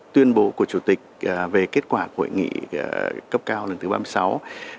tuyên bố của chủ tịch về kết quả của hội nghị cấp cao lần thứ ba mươi sáu